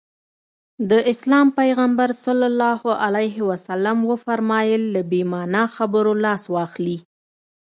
د اسلام پيغمبر ص وفرمايل له بې معنا خبرو لاس واخلي.